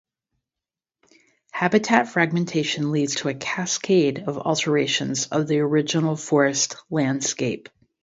Habitat fragmentation leads to a cascade of alterations of the original forest landscape.